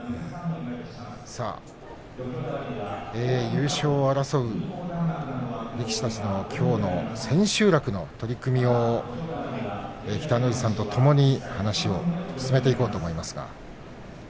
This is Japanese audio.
優勝を争う力士たちのきょうの千秋楽の取組を北の富士さんとともにお話を進めていこうと思います。